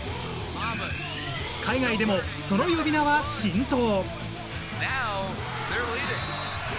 海外でもその呼び名は浸透。